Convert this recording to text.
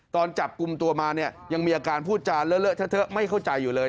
ตอนจับกลุ่มตัวมาเนี่ยยังมีอาการพูดจานเลอะเทอะไม่เข้าใจอยู่เลย